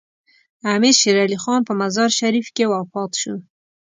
امیر شیر علي خان په مزار شریف کې وفات شو.